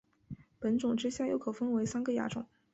本种之下又可分为三个亚种。